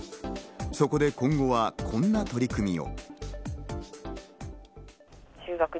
そこで今後はこんな取り組みを。